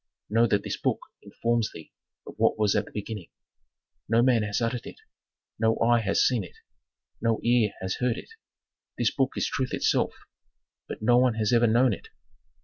"Know that this book informs thee of what was at the beginning. No man has uttered it, no eye has seen it, no ear has heard it. This book is truth itself, but no one has ever known it.